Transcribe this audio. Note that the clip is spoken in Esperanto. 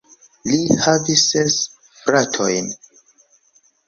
Li havis ses fratojn.